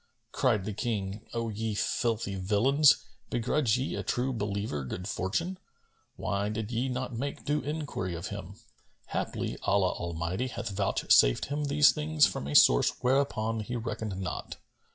Cried the King, "O ye filthy villains, begrudge ye a True Believer good fortune? Why did ye not make due enquiry of him? Haply Allah Almighty hath vouchsafed him these things from a source whereupon he reckoned not.